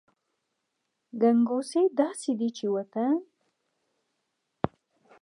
ګنګوسې داسې دي چې وطن …